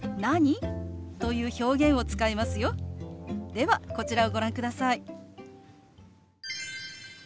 ではこちらをご覧ください。